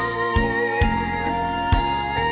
เปลี่ยนเพลงเก่งของคุณและข้ามผิดได้๑คำ